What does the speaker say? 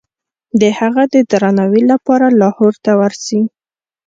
د هغه د درناوي لپاره لاهور ته ورسي.